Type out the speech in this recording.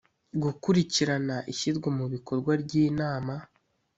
gukurikirana ishyirwa mu bikorwa ry inama